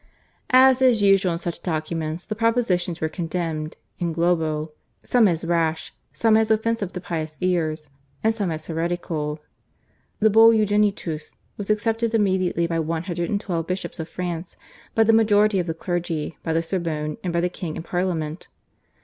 As is usual in such documents the propositions were condemned /in globo/, some as rash, some as offensive to pious ears, and some as heretical. The Bull, /Unigenitus/, was accepted immediately by one hundred and twelve bishops of France, by the majority of the clergy, by the Sorbonne, and by the king and Parliament.